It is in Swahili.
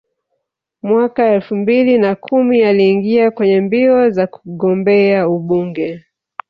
Mwaka elfu mbili na kumi aliingia kwenye mbio za kugombea ubunge